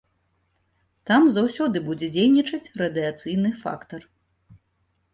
Там заўсёды будзе дзейнічаць радыяцыйны фактар.